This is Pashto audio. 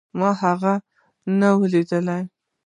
ما هغه نه و ليدلى.